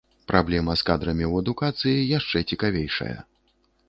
Праблема з кадрамі ў адукацыі яшчэ цікавейшая.